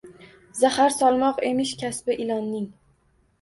Zahar solmoq emish kasbi ilonning